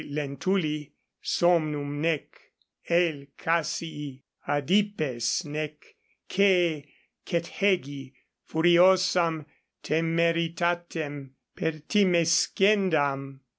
Lentuli somnum nec L. Cassii adipes nec C. Cethegi furiosam temeritatem pertimescendam.